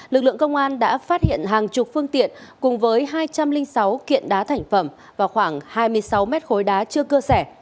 lực lượng công an đã phát hiện hàng chục phương tiện cùng với hai trăm linh sáu kiện đá thành phẩm và khoảng hai mươi sáu mét khối đá chưa cơ sẻ